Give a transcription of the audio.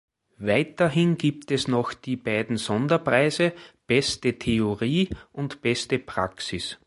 Weiterhin gibt es noch die beiden Sonderpreise „Beste Theorie“ und „Beste Praxis“.